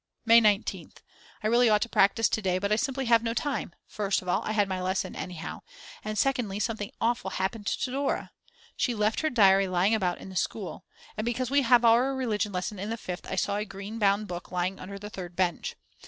May 19th. I really ought to practice to day, but I simply have no time, first of all I had my lesson anyhow, and secondly something awful happened to Dora. She left her diary lying about in the school; and because we have our religion lesson in the Fifth I saw a green bound book lying under the third bench.